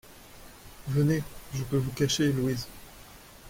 Venez ! je peux vous cacher ! LOUISE.